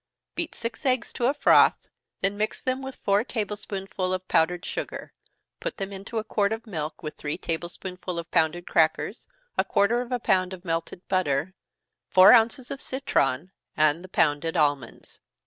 Beat six eggs to a froth, then mix them with four table spoonsful of powdered sugar put them into a quart of milk, with three table spoonsful of pounded crackers, a quarter of a pound of melted butter, four ounces of citron, and the pounded almonds.